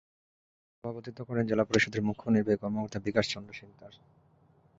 এতে সভাপতিত্ব করেন জেলা পরিষদের মুখ্য নির্বাহী কর্মকর্তা বিকাশ চন্দ্র শিকদার।